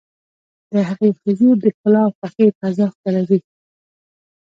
د هغې حضور د ښکلا او خوښۍ فضا خپروي.